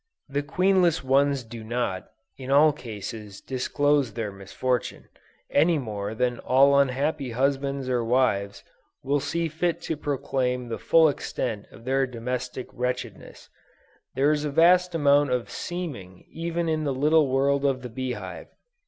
The queenless ones do not, in all cases, disclose their misfortune, any more than all unhappy husbands or wives see fit to proclaim the full extent of their domestic wretchedness: there is a vast amount of seeming even in the little world of the bee hive.